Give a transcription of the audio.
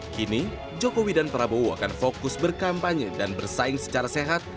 kini jokowi dan prabowo akan fokus berkampanye dan bersaing secara sehat